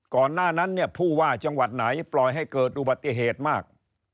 ก่อนหน้านั้นเนี่ยผู้ว่าจังหวัดไหนปล่อยให้เกิดอุบัติเหตุมาก